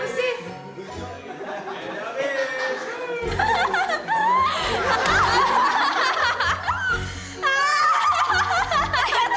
tuh tuh tuh